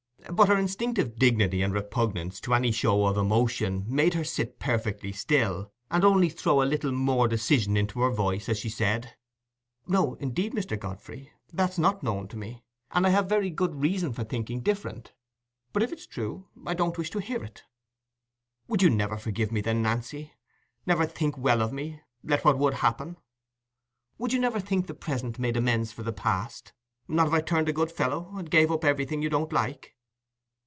But her instinctive dignity and repugnance to any show of emotion made her sit perfectly still, and only throw a little more decision into her voice, as she said— "No, indeed, Mr. Godfrey, that's not known to me, and I have very good reasons for thinking different. But if it's true, I don't wish to hear it." "Would you never forgive me, then, Nancy—never think well of me, let what would happen—would you never think the present made amends for the past? Not if I turned a good fellow, and gave up everything you didn't like?"